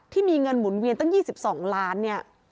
ที่มีเงินหมุนเวียนตั้ง๒๒ล้านเนี่ย